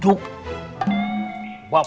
saya akan berada di rumah